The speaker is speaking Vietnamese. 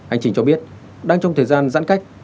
anh trình cho biết đang trong thời gian giãn cách